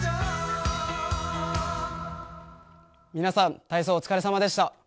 皆さん、体操お疲れさまでした。